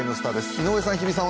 井上さん、日比さん